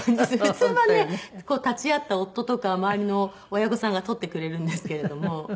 普通はね立ち会った夫とか周りの親御さんが撮ってくれるんですけれども。